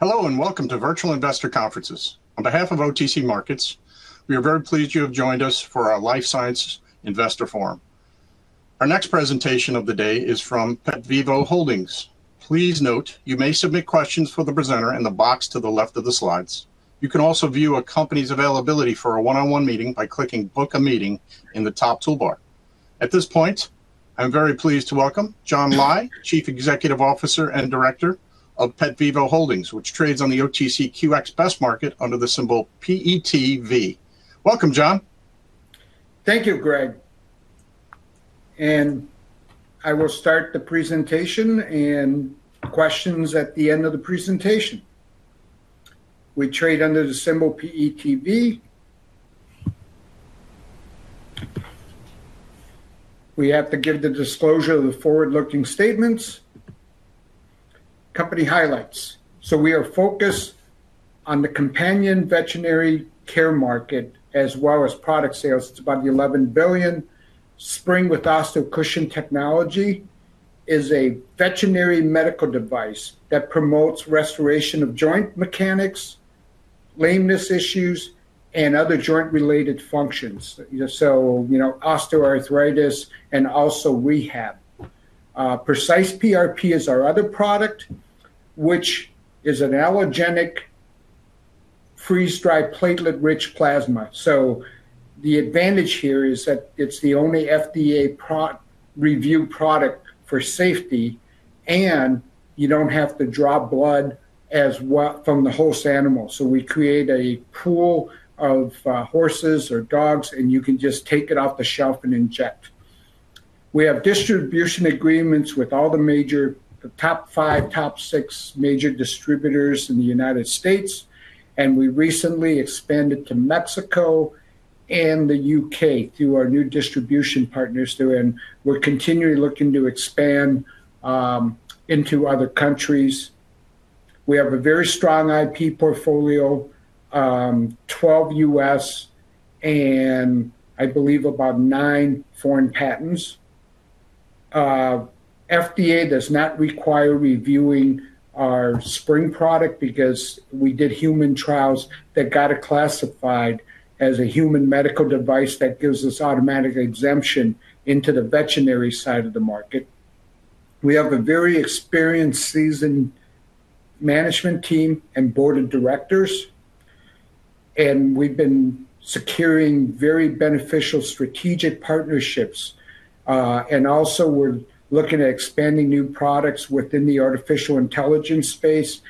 Hello and welcome to Virtual Investor Conferences. On behalf of OTC Markets, we are very pleased you have joined us for our Life Science Investor Forum. Our next presentation of the day is from PetVivo Holdings. Please note you may submit questions for the presenter in the box to the left of the slides. You can also view a company's availability for a one-on-one meeting by clicking "Book a Meeting" in the top toolbar. At this point, I'm very pleased to welcome John Lai, Chief Executive Officer and Director of PetVivo Holdings, which trades on the OTC QX Best Market under the symbol PETV. Welcome, John. Thank you, Greg. I will start the presentation and questions at the end of the presentation. We trade under the symbol PETV. We have to give the disclosure of the forward-looking statements. Company highlights. We are focused on the companion animal veterinary care market as well as product sales. It's about $11 billion. Spryng with OsteoCushion technology is a veterinary medical device that promotes restoration of joint mechanics, lameness issues, and other joint-related functions. Osteoarthritis and also rehab. PrecisePRP is our other product, which is an allogenic freeze-dried platelet-rich plasma. The advantage here is that it's the only FDA-reviewed product for safety, and you don't have to draw blood as well from the horse or animal. We create a pool of horses or dogs, and you can just take it off-the-shelf and inject. We have distribution agreements with all the major, the top five, top six major distributors in the United States, and we recently expanded to Mexico and the UK through our new distribution partners there. We're continually looking to expand into other countries. We have a very strong IP portfolio, 12 U.S., and I believe about nine foreign patents. FDA does not require reviewing our Spryng product because we did human trials that got it classified as a human medical device that gives us automatic exemption into the veterinary side of the market. We have a very experienced, seasoned management team and board of directors, and we've been securing very beneficial strategic partnerships. We're looking at expanding new products within the artificial intelligence space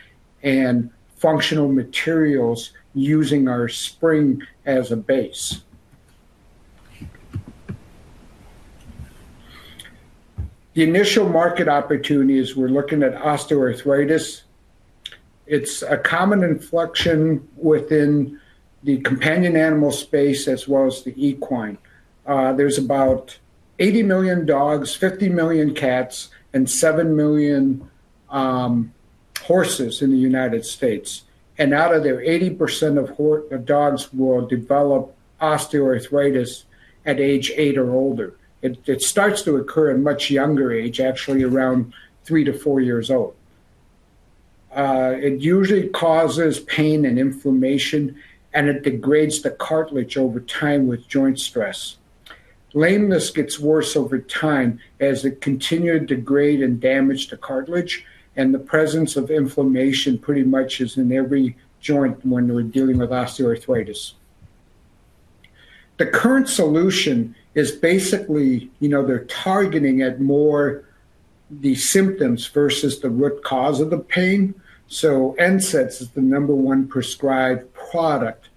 and functional materials using our Spryng as a base. The initial market opportunity is we're looking at osteoarthritis. It's a common inflection within the companion animal space as well as the equine. There's about 80 million dogs, 50 million cats, and 7 million horses in the United States. Out of there, 80% of dogs will develop osteoarthritis at age eight or older. It starts to occur at a much younger age, actually around three to four years old. It usually causes pain and inflammation, and it degrades the cartilage over time with joint stress. Lameness gets worse over time as it continues to degrade and damage the cartilage, and the presence of inflammation pretty much is in every joint when we're dealing with osteoarthritis. The current solution is basically, you know, they're targeting at more the symptoms versus the root cause of the pain. NSAIDs is the number one prescribed product.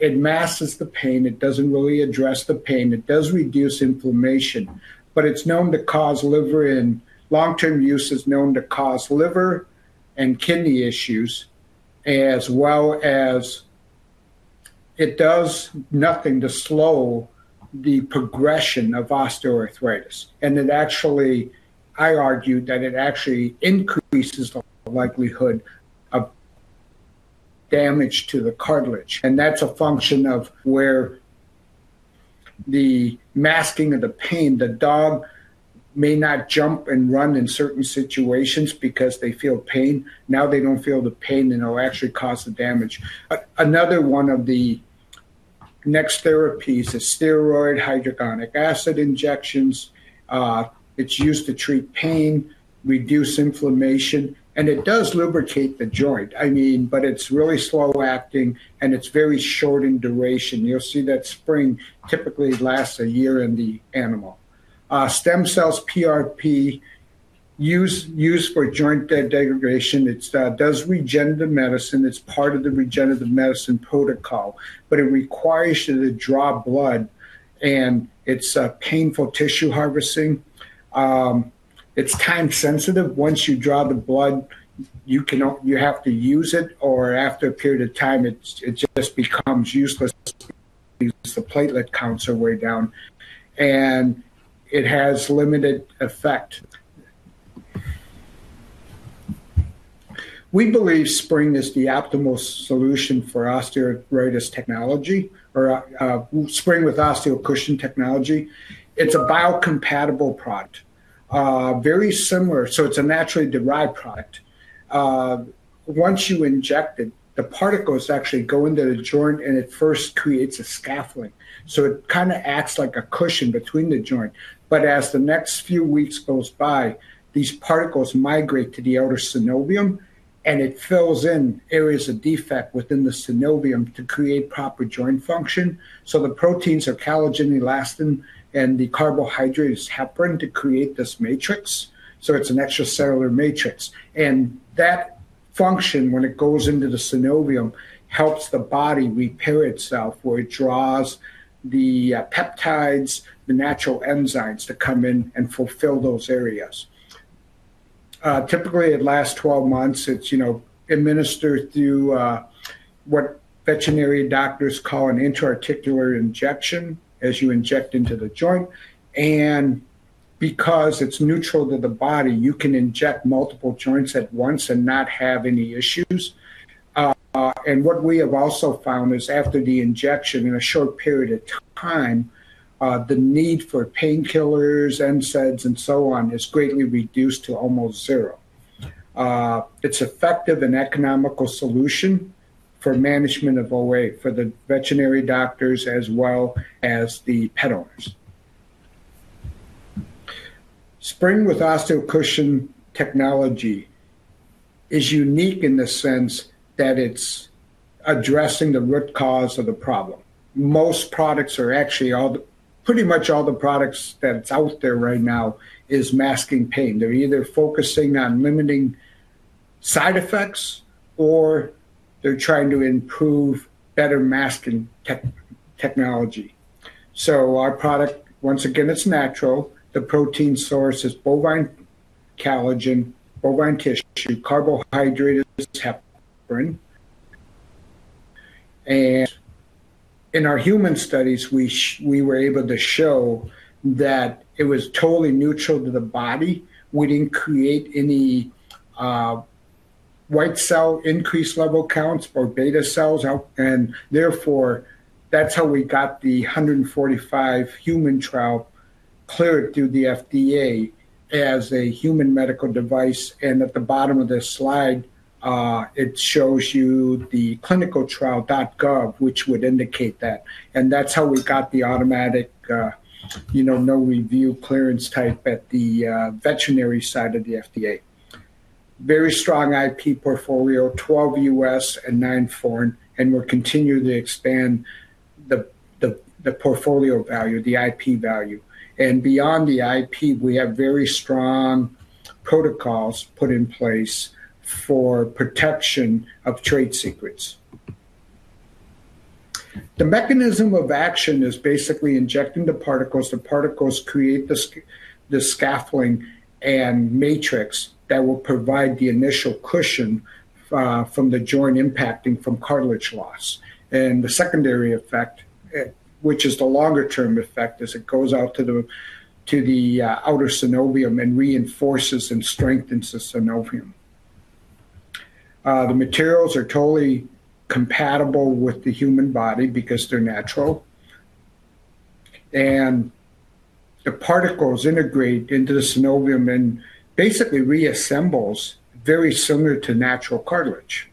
It masks the pain. It doesn't really address the pain. It does reduce inflammation, but it's known to cause liver, and long-term use is known to cause liver and kidney issues, as well as it does nothing to slow the progression of osteoarthritis. I argue that it actually increases the likelihood of damage to the cartilage. That's a function of where the masking of the pain, the dog may not jump and run in certain situations because they feel pain. Now they don't feel the pain and it will actually cause the damage. Another one of the next therapies is steroid hyaluronic acid injections. It's used to treat pain, reduce inflammation, and it does lubricate the joint. I mean, but it's really slow-acting and it's very short in duration. You'll see that Spryng typically lasts a year in the animal. Stem cells PRP is used for joint degradation. It does regenerative medicine. It's part of the regenerative medicine protocol, but it requires you to draw blood, and it's painful tissue harvesting. It's time sensitive. Once you draw the blood, you cannot, you have to use it, or after a period of time, it just becomes useless. The platelet counts are way down and it has limited effect. We believe Spryng is the optimal solution for osteoarthritis technology or Spryng with OsteoCushion technology. It's a biocompatible product, very similar. So it's a naturally derived product. Once you inject it, the particles actually go into the joint and it first creates a scaffolding. It kind of acts like a cushion between the joint. As the next few weeks go by, these particles migrate to the outer synovium and it fills in areas of defect within the synovium to create proper joint function. The proteins are collagen, elastin, and the carbohydrates happen to create this matrix. It's an extracellular matrix. That function, when it goes into the synovium, helps the body repair itself where it draws the peptides, the natural enzymes to come in and fulfill those areas. Typically, it lasts 12 months. It's administered through what veterinary doctors call an intra-articular injection as you inject into the joint. Because it's neutral to the body, you can inject multiple joints at once and not have any issues. What we have also found is after the injection, in a short period of time, the need for painkillers, NSAIDs, and so on is greatly reduced to almost zero. It's effective and an economical solution for management of OA for the veterinary doctors as well as the pet owners. Spryng with OsteoCushion technology is unique in the sense that it's addressing the root cause of the problem. Most products, actually pretty much all the products that are out there right now, are masking pain. They're either focusing on limiting side effects or they're trying to improve better masking technology. Our product, once again, it's natural. The protein source is bovine collagen, bovine tissue, carbohydrates, heparin. In our human studies, we were able to show that it was totally neutral to the body. We didn't create any white cell increased level counts or beta cells. That's how we got the 145 human trial cleared through the FDA as a human medical device. At the bottom of this slide, it shows you the clinicaltrials.gov, which would indicate that. That's how we got the automatic, you know, no review clearance type at the veterinary side of the FDA. Very strong IP portfolio, 12 U.S. and 9 foreign. We're continuing to expand the portfolio value, the IP value. Beyond the IP, we have very strong protocols put in place for protection of trade secrets. The mechanism of action is basically injecting the particles. The particles create the scaffolding and matrix that will provide the initial cushion from the joint impacting from cartilage loss. The secondary effect, which is the longer-term effect, is it goes out to the outer synovium and reinforces and strengthens the synovium. The materials are totally compatible with the human body because they're natural. The particles integrate into the synovium and basically reassemble very similar to natural cartilage.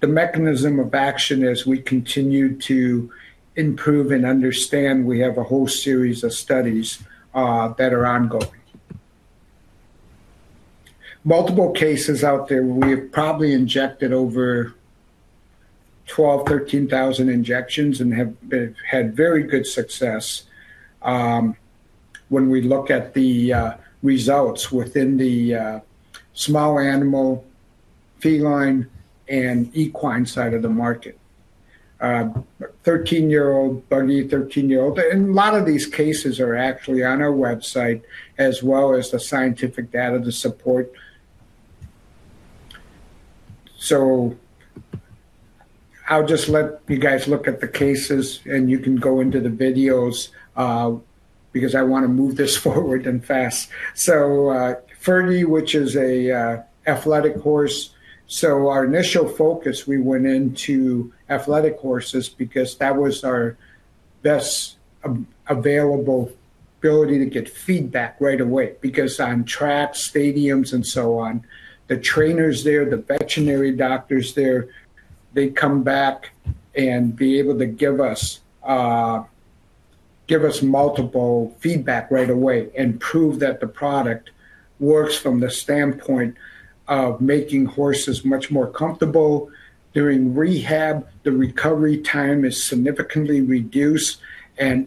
The mechanism of action, as we continue to improve and understand, we have a whole series of studies that are ongoing. Multiple cases out there, we have probably injected over 12,000, 13,000 injections and have had very good success when we look at the results within the small animal, feline, and equine side of the market. Thirteen-year-old buggy, thirteen-year-old. A lot of these cases are actually on our website as well as the scientific data to support. I'll just let you guys look at the cases and you can go into the videos because I want to move this forward and fast. Fergie, which is an athletic horse, our initial focus, we went into athletic horses because that was our best available ability to get feedback right away because on track stadiums and so on, the trainers there, the veterinary doctors there, they come back and be able to give us multiple feedback right away and prove that the product works from the standpoint of making horses much more comfortable during rehab. The recovery time is significantly reduced.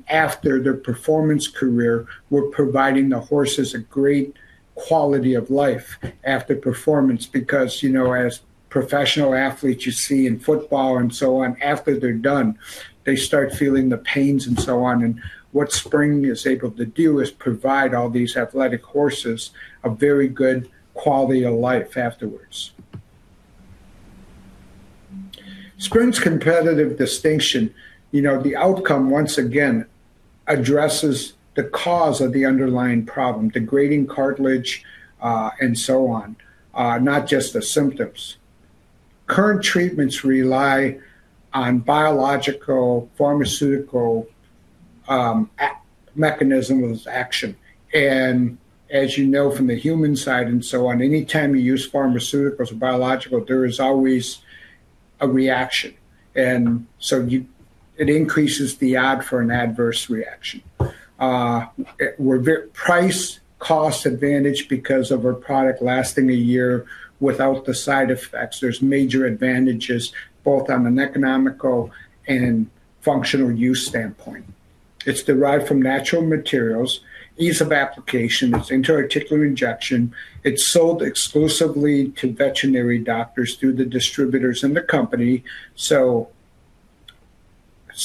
After their performance career, we're providing the horses a great quality of life after performance because, you know, as professional athletes, you see in football and so on, after they're done, they start feeling the pains and so on. What Spryng is able to do is provide all these athletic horses a very good quality of life afterwards. Spryng's competitive distinction, the outcome once again addresses the cause of the underlying problem, degrading cartilage and so on, not just the symptoms. Current treatments rely on biological pharmaceutical mechanisms of action. As you know from the human side and so on, anytime you use pharmaceuticals or biological, there is always a reaction. It increases the odds for an adverse reaction. We're price-cost advantage because of our product lasting a year without the side effects. There are major advantages both on an economical and functional use standpoint. It's derived from natural materials, ease of application, it's intra-articular injection, it's sold exclusively to veterinary doctors through the distributors in the company.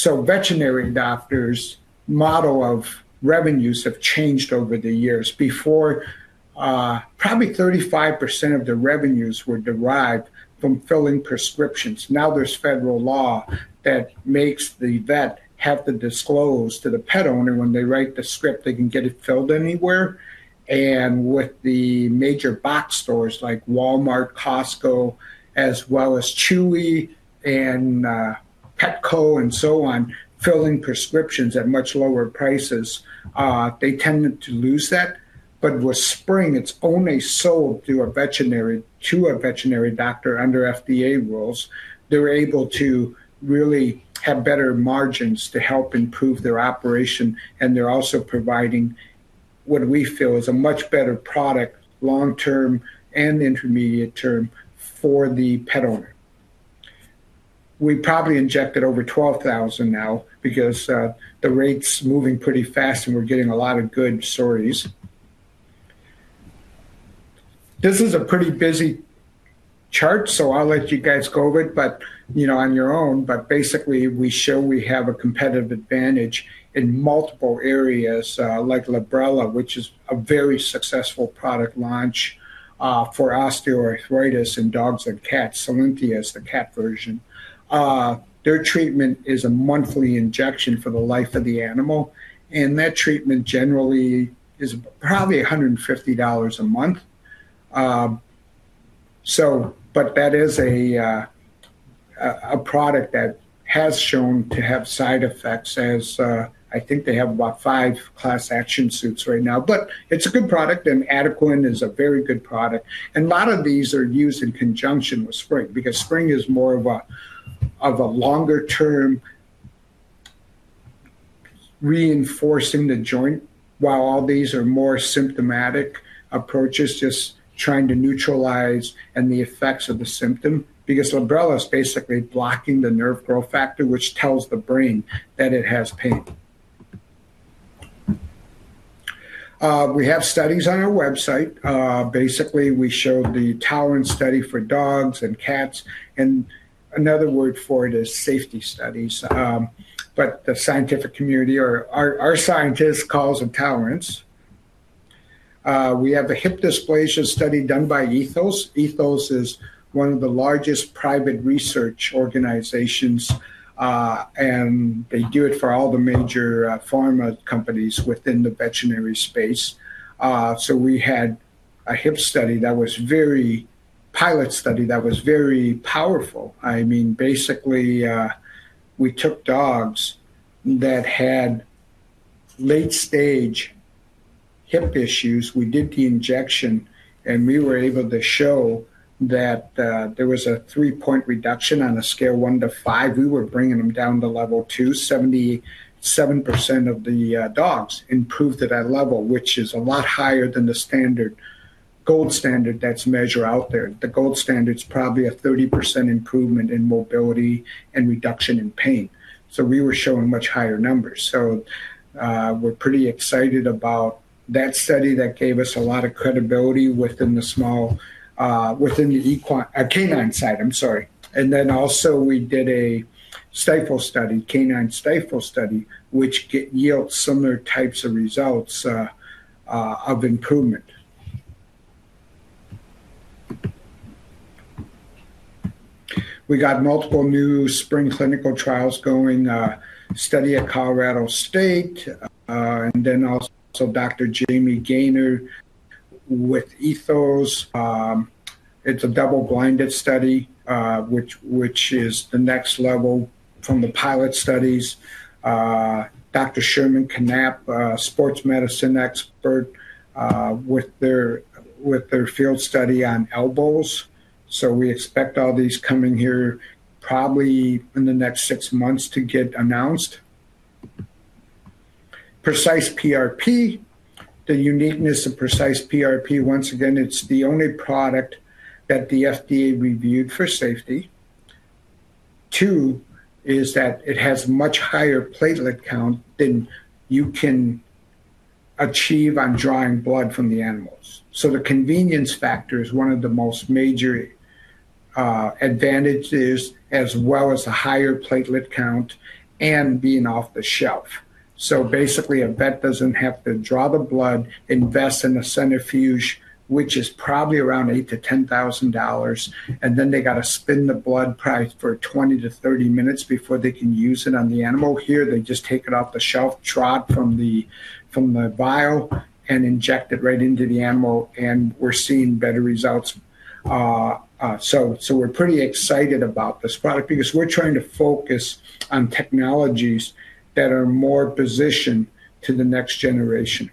Veterinary doctors' model of revenues have changed over the years. Before, probably 35% of the revenues were derived from filling prescriptions. Now there's federal law that makes the vet have to disclose to the pet owner when they write the script, they can get it filled anywhere. With the major box stores like Walmart, Costco, as well as Chewy and Petco and so on, filling prescriptions at much lower prices, they tended to lose that. With Spryng, it's only sold to a veterinary doctor under FDA rules. They're able to really have better margins to help improve their operation. They're also providing what we feel is a much better product long-term and intermediate term for the pet owner. We probably injected over 12,000 now because the rate's moving pretty fast and we're getting a lot of good stories. This is a pretty busy chart, I'll let you guys go over it, on your own. Basically, we show we have a competitive advantage in multiple areas like Librela, which is a very successful product launch for osteoarthritis in dogs and cats, Solensia as the cat version. Their treatment is a monthly injection for the life of the animal, and that treatment generally is probably $150 a month. That is a product that has shown to have side effects, as I think they have about five class action suits right now. It is a good product, and Adequan is a very good product. A lot of these are used in conjunction with Spryng because Spryng is more of a longer-term reinforcing the joint, while all these are more symptomatic approaches, just trying to neutralize the effects of the symptom. Librela is basically blocking the nerve growth factor, which tells the brain that it has pain. We have studies on our website. Basically, we show the tolerance study for dogs and cats, and another word for it is safety studies. The scientific community or our scientists call it tolerance. We have a hip dysplasia study done by Ethos Veterinary Health. Ethos Veterinary Health is one of the largest private research organizations, and they do it for all the major pharma companies within the veterinary space. We had a hip study that was a very, pilot study that was very powerful. Basically, we took dogs that had late-stage hip issues. We did the injection, and we were able to show that there was a three-point reduction on a scale of one to five. We were bringing them down to level two. 77% of the dogs improved at that level, which is a lot higher than the standard gold standard that's measured out there. The gold standard is probably a 30% improvement in mobility and reduction in pain. We were showing much higher numbers. We are pretty excited about that study that gave us a lot of credibility within the small, within the canine side. I'm sorry. We also did a stifle study, canine stifle study, which yields similar types of results of improvement. We got multiple new Spryng clinical trials going, a study at Colorado State University, and then also Dr. Jamie Gaynor with Ethos Veterinary Health. It's a double-blinded study, which is the next level from the pilot studies. Dr. Sherman Knapp, sports medicine expert, with their field study on elbows. We expect all these coming here probably in the next six months to get announced. PrecisePRP, the uniqueness of PrecisePRP, once again, it's the only product that the FDA reviewed for safety. Two is that it has a much higher platelet count than you can achieve on drawing blood from the animals. The convenience factor is one of the most major advantages, as well as a higher platelet count and being off the shelf. Basically, a vet doesn't have to draw the blood, invest in a centrifuge, which is probably around $8,000 to $10,000. Then they got to spin the blood price for 20 to 30 minutes before they can use it on the animal. Here, they just take it off the shelf, trot from the vial, and inject it right into the animal. We're seeing better results. We're pretty excited about this product because we're trying to focus on technologies that are more positioned to the next generation.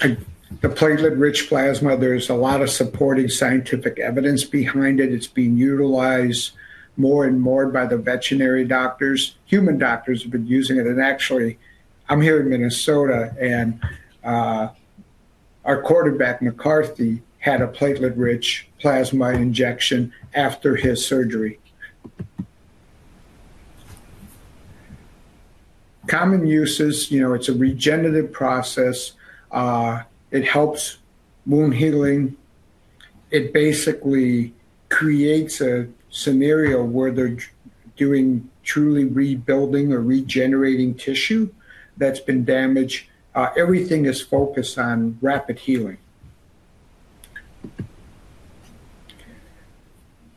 The platelet-rich plasma, there's a lot of supporting scientific evidence behind it. It's being utilized more and more by the veterinary doctors. Human doctors have been using it. Actually, I'm here in Minnesota, and our quarterback McCarthy had a platelet-rich plasma injection after his surgery. Common uses, you know, it's a regenerative process. It helps wound healing. It basically creates a scenario where they're doing truly rebuilding or regenerating tissue that's been damaged. Everything is focused on rapid healing.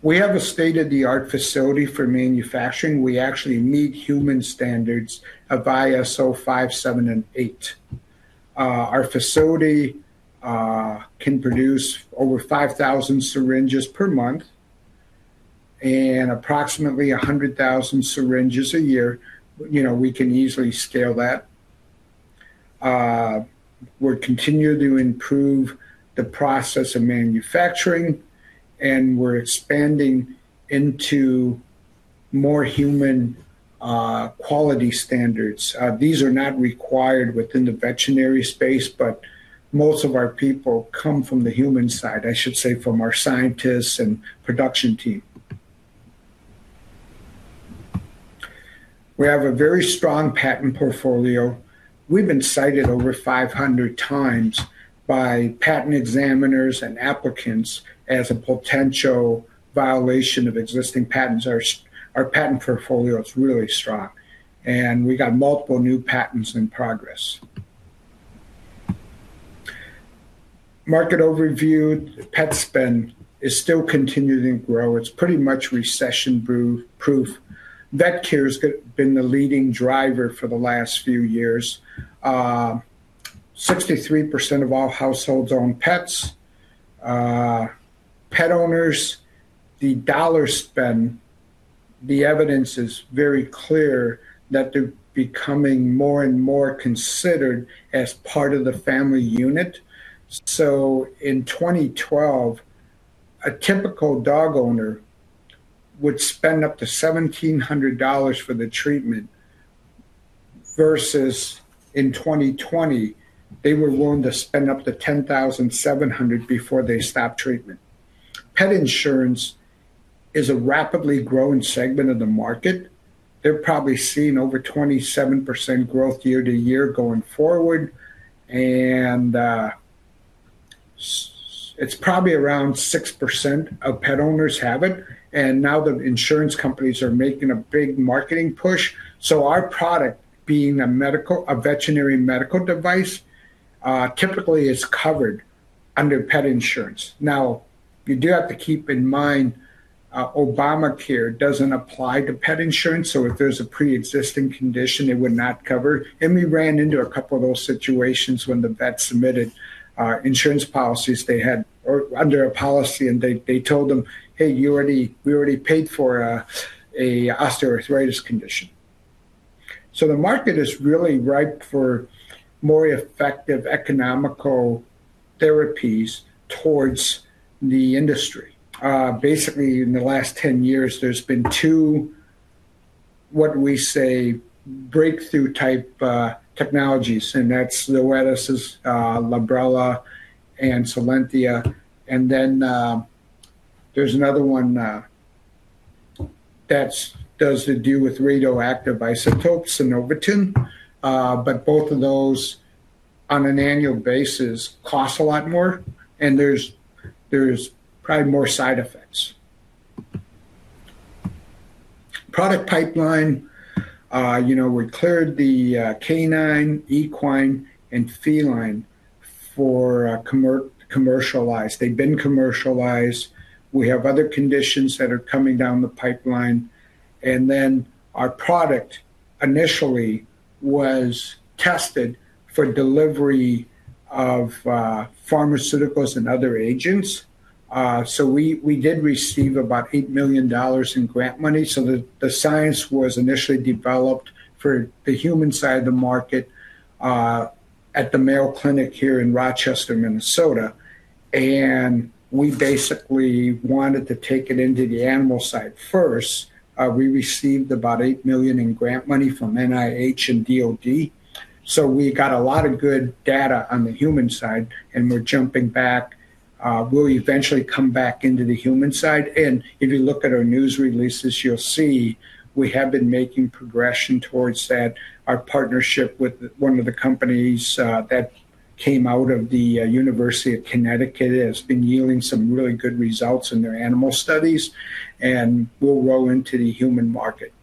We have a state-of-the-art facility for manufacturing. We actually meet human standards, ISO 578. Our facility can produce over 5,000 syringes per month and approximately 100,000 syringes a year. We can easily scale that. We're continuing to improve the process of manufacturing, and we're expanding into more human quality standards. These are not required within the veterinary space, but most of our people come from the human side, I should say, from our scientists and production team. We have a very strong patent portfolio. We've been cited over 500 times by patent examiners and applicants as a potential violation of existing patents. Our patent portfolio is really strong, and we got multiple new patents in progress. Market overview, pet spend is still continuing to grow. It's pretty much recession-proof. VetCare has been the leading driver for the last few years. 63% of all households own pets. Pet owners, the dollar spend, the evidence is very clear that they're becoming more and more considered as part of the family unit. In 2012, a typical dog owner would spend up to $1,700 for the treatment versus in 2020, they were willing to spend up to $10,700 before they stopped treatment. Pet insurance is a rapidly growing segment of the market. They're probably seeing over 27% growth year to year going forward, and it's probably around 6% of pet owners have it. Now the insurance companies are making a big marketing push. Our product, being a veterinary medical device, typically is covered under pet insurance. You do have to keep in mind Obamacare doesn't apply to pet insurance. If there's a pre-existing condition, it would not cover. We ran into a couple of those situations when the vet submitted insurance policies they had under a policy, and they told them, "Hey, you already, we already paid for an osteoarthritis condition." The market is really ripe for more effective economical therapies towards the industry. Basically, in the last 10 years, there's been two, what we say, breakthrough type technologies, and that's Librela and Solensia. Then there's another one that deals with radioactive isotopes, Synovetin. Both of those, on an annual basis, cost a lot more, and there's probably more side effects. Product pipeline, you know, we cleared the canine, equine, and feline for commercialized. They've been commercialized. We have other conditions that are coming down the pipeline. Our product initially was tested for delivery of pharmaceuticals and other agents. We did receive about $8 million in grant money. The science was initially developed for the human side of the market at the Mayo Clinic here in Rochester, Minnesota. We basically wanted to take it into the animal side first. We received about $8 million in grant money from NIH and DOD. We got a lot of good data on the human side, and we're jumping back. We'll eventually come back into the human side. If you look at our news releases, you'll see we have been making progression towards that. Our partnership with one of the companies that came out of the University of Connecticut has been yielding some really good results in their animal studies, and we'll roll into the human market.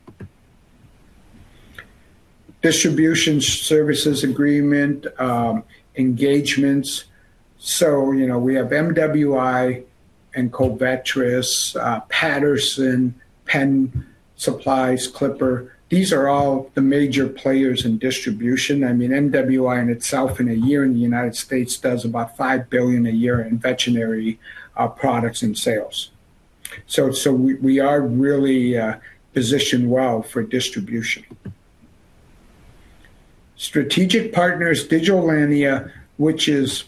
Distribution services agreement, engagements. We have MWI Animal Health and Covetrus, Patterson, Penn Veterinary Supply, Clipper. These are all the major players in distribution. MWI Animal Health in itself, in a year in the United States, does about $5 billion a year in veterinary products and sales. We are really positioned well for distribution. Strategic partners, Digital Landia, which is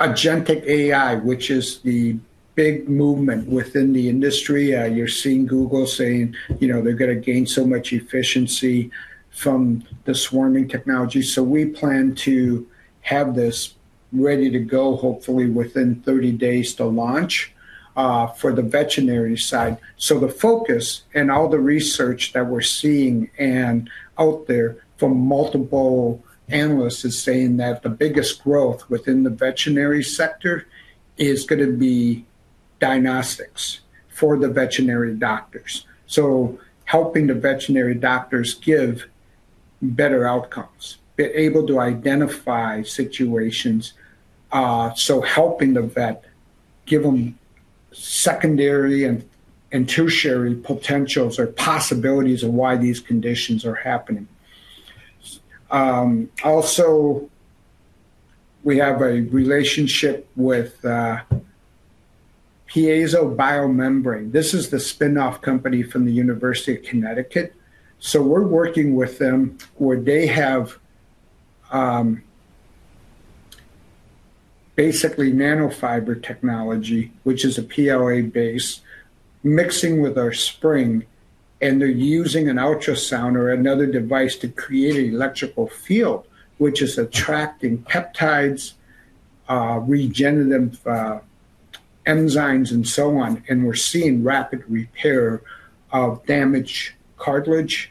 Agentic.Pet AI, which is the big movement within the industry. You're seeing Google saying, you know, they're going to gain so much efficiency from the swarming technology. We plan to have this ready to go, hopefully within 30 days to launch for the veterinary side. The focus and all the research that we're seeing out there from multiple analysts is saying that the biggest growth within the veterinary sector is going to be diagnostics for the veterinary doctors. Helping the veterinary doctors give better outcomes, they're able to identify situations. Helping the vet give them secondary and tertiary potentials or possibilities of why these conditions are happening. We have a relationship with Piezo Biomembrane. This is the spin-off company from the University of Connecticut. We're working with them where they have basically nanofiber technology, which is a PLA base, mixing with our Spryng, and they're using an ultrasound or another device to create an electrical field, which is attracting peptides, regenerative enzymes, and so on. We're seeing rapid repair of damaged cartilage,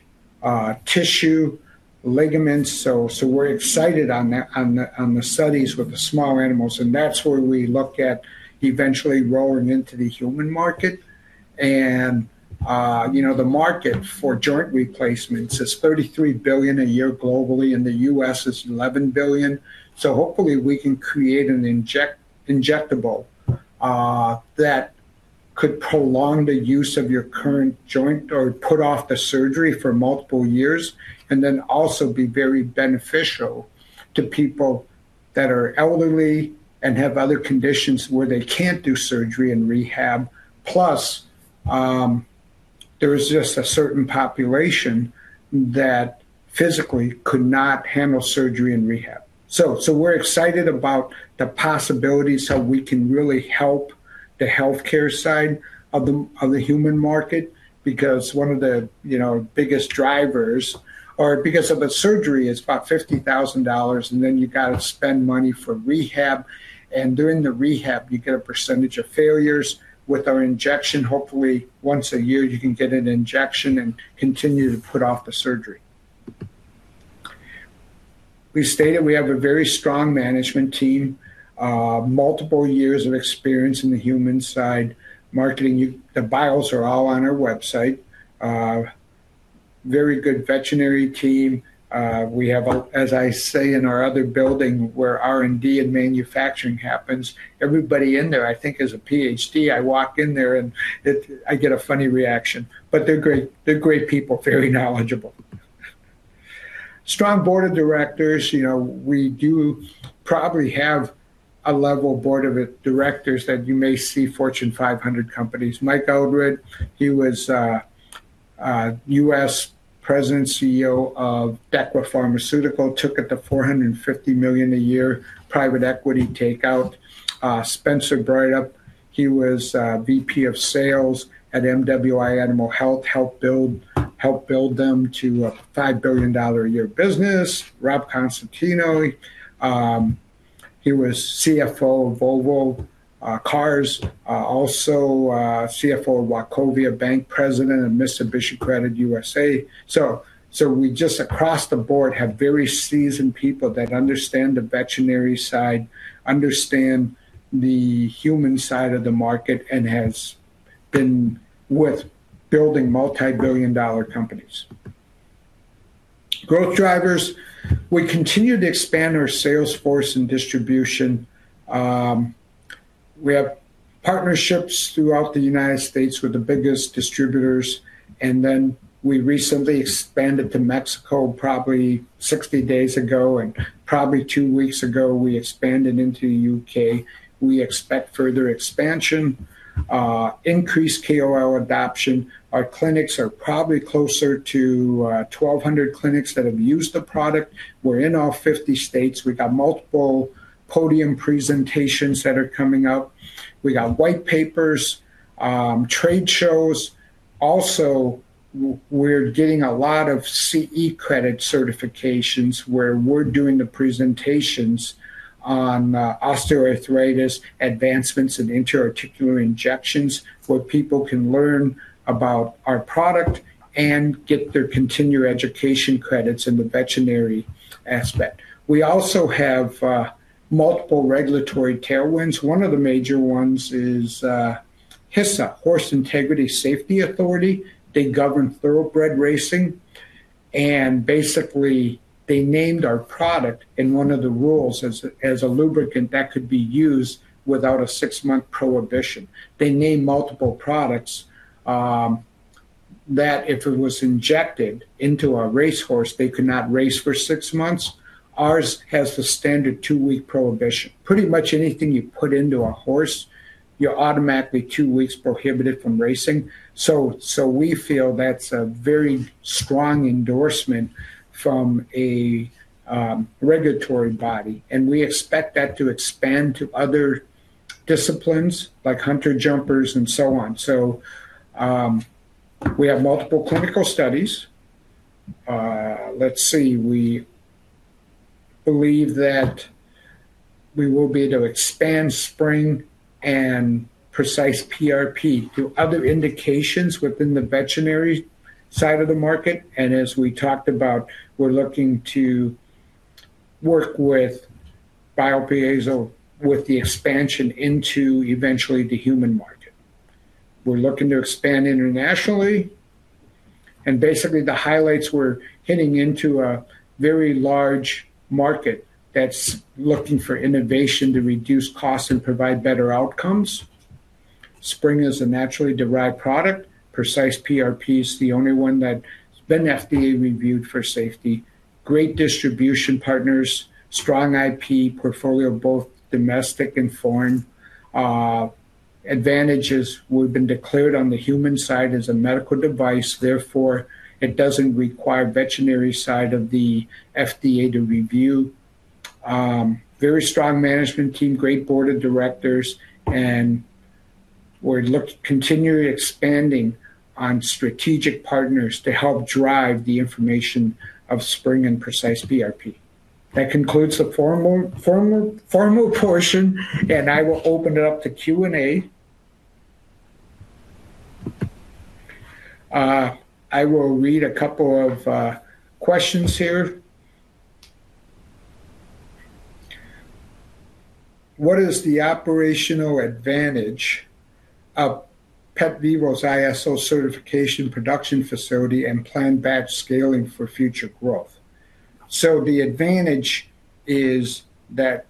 tissue, ligaments. We're excited on the studies with the small animals. That's where we look at eventually rolling into the human market. The market for joint replacements is $33 billion a year globally, and the U.S. is $11 billion. Hopefully we can create an injectable that could prolong the use of your current joint or put off the surgery for multiple years, and then also be very beneficial to people that are elderly and have other conditions where they can't do surgery and rehab. There is just a certain population that physically could not handle surgery and rehab. We're excited about the possibilities of how we can really help the healthcare side of the human market because one of the biggest drivers, or because of a surgery, is about $50,000. Then you got to spend money for rehab. During the rehab, you get a % of failures. With our injection, hopefully once a year, you can get an injection and continue to put off the surgery. We stated we have a very strong management team, multiple years of experience in the human side marketing. The bios are all on our website. Very good veterinary team. We have, as I say, in our other building where R&D and manufacturing happens, everybody in there, I think, is a PhD. I walk in there and I get a funny reaction. They're great. They're great people, very knowledgeable. Strong board of directors. We do probably have a level board of directors that you may see Fortune 500 companies. Mike Eldred, he was a U.S. President, CEO of Dechra Pharmaceuticals, took at the $450 million a year private equity takeout. Spencer Brightup, he was VP of Sales at MWI Animal Health, helped build them to a $5 billion a year business. Rob Constantino, he was CFO of Volvo Cars, also CFO of Wachovia Bank, President of Mitsubishi Credit USA. We just across the board have very seasoned people that understand the veterinary side, understand the human side of the market, and have been with building multi-billion dollar companies. Growth drivers, we continue to expand our sales force and distribution. We have partnerships throughout the United States with the biggest distributors. We recently expanded to Mexico probably 60 days ago, and probably two weeks ago, we expanded into the UK. We expect further expansion, increased KOL adoption. Our clinics are probably closer to 1,200 clinics that have used the product. We're in all 50 states. We got multiple podium presentations that are coming up. We got white papers, trade shows. Also, we're getting a lot of CE credit certifications where we're doing the presentations on osteoarthritis advancements and intra-articular injections where people can learn about our product and get their continued education credits in the veterinary aspect. We also have multiple regulatory tailwinds. One of the major ones is HISA, Horseracing Integrity and Safety Authority. They govern thoroughbred racing. Basically, they named our product in one of the rules as a lubricant that could be used without a six-month prohibition. They named multiple products that if it was injected into a race horse, they could not race for six months. Ours has a standard two-week prohibition. Pretty much anything you put into a horse, you're automatically two weeks prohibited from racing. We feel that's a very strong endorsement from a regulatory body. We expect that to expand to other disciplines like hunter jumpers and so on. We have multiple clinical studies. We believe that we will be able to expand Spryng with OsteoCushion technology and PrecisePRP to other indications within the veterinary side of the market. As we talked about, we're looking to work with Piezo Biomembrane with the expansion into eventually the human market. We're looking to expand internationally. Basically, the highlights were hitting into a very large market that's looking for innovation to reduce costs and provide better outcomes. Spryng is a naturally derived product. PrecisePRP is the only one that's been FDA-reviewed for safety. Great distribution partners, strong IP portfolio, both domestic and foreign. Advantages would have been declared on the human side as a medical device. Therefore, it doesn't require the veterinary side of the FDA to review. Very strong management team, great board of directors, and we're looking to continue expanding on strategic partners to help drive the information of Spryng and PrecisePRP. That concludes the formal portion, and I will open it up to Q&A. I will read a couple of questions here. What is the operational advantage of PetVivo's ISO-certified production facility and planned batch scaling for future growth? The advantage is that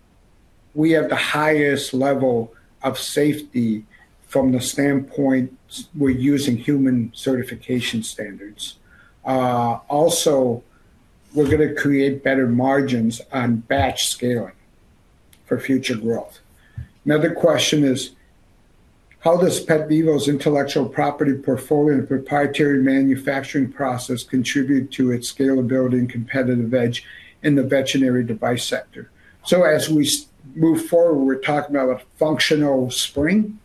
we have the highest level of safety from the standpoint we're using human certification standards. Also, we're going to create better margins on batch scaling for future growth. Another question is, how does PetVivo's intellectual property portfolio and proprietary manufacturing process contribute to its scalability and competitive edge in the veterinary device sector? As we move forward, we're talking about a functional Spryng.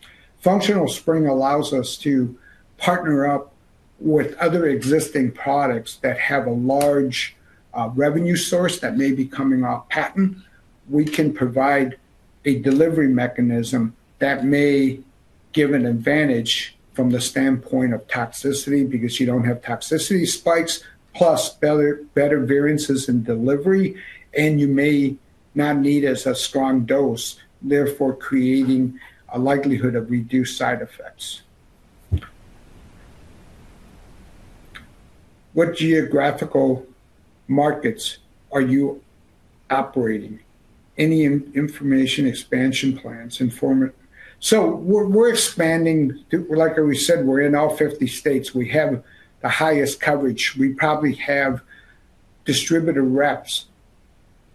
Functional Spryng allows us to partner up with other existing products that have a large revenue source that may be coming off patent. We can provide a delivery mechanism that may give an advantage from the standpoint of toxicity because you don't have toxicity spikes, plus better variances in delivery, and you may not need as strong a dose, therefore creating a likelihood of reduced side effects. What geographical markets are you operating? Any information expansion plans? We're expanding. Like we said, we're in all 50 states. We have the highest coverage. We probably have distributor reps.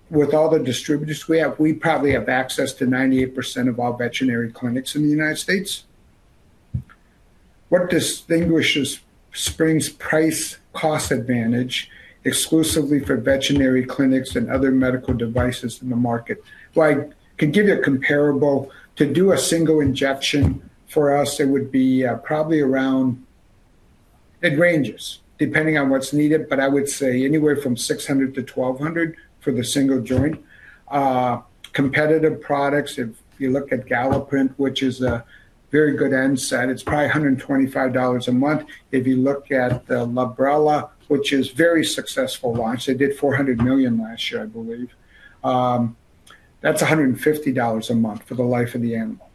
With all the distributors we have, we probably have access to 98% of all veterinary clinics in the United States. What distinguishes Spryng's price-cost advantage exclusively for veterinary clinics and other medical devices in the market? I could give you a comparable. To do a single injection for us, it would be probably around, it ranges depending on what's needed, but I would say anywhere from $600 to $1,200 for the single joint. Competitive products, if you look at Galliprant, which is a very good NSAID, it's probably $125 a month. If you look at Librela, which is a very successful launch, they did $400 million last year, I believe. That's $150 a month for the life of the animal.